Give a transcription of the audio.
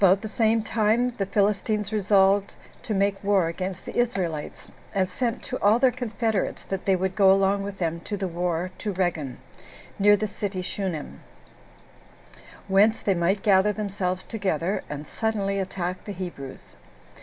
1. About the same time the Philistines resolved to make war against the Israelites, and sent to all their confederates that they would go along with them to the war to Reggan, [near the city Shunem,] whence they might gather themselves together, and suddenly attack the Hebrews.